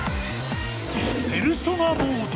ペルソナモード。